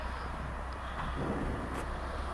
Ha participado en la obra de teatro "Mezclando colores".